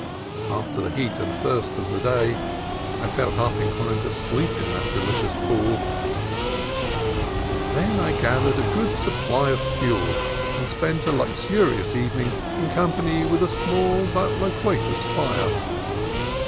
After the heat and thirst of the day I felt half inclined to sleep in that delicious pool. Then I gathered a good supply of fuel and spent a luxurious evening in company with a small but lo quacious fire.